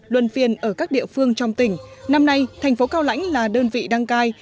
luân phiên ở các địa phương trong tỉnh năm nay thành phố cao lãnh là đơn vị đăng cai